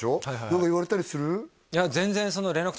何か言われたりする？